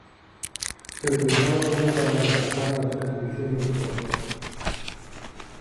Se utilizaba hielo para retrasar la descomposición de los cuerpos.